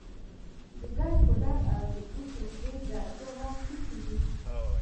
د ګچ پوډر او د بوسو سريښ د اړتیا وړ توکي دي.